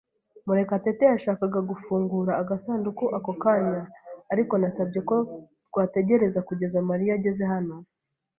Murekatete yashakaga gufungura agasanduku ako kanya, ariko nasabye ko twategereza kugeza Mariya ageze hano.